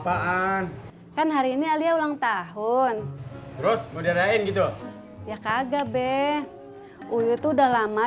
apaan kan hari ini alia ulang tahun terus modern gitu ya kagak be uy itu udah lama